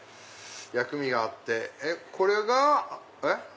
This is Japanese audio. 薬味があってこれがえっ？